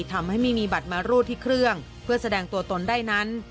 ทำให้ไม่มีบัตรมารูดที่เครื่องเพื่อแสดงตัวตนได้นั้น